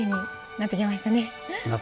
なってきましたね。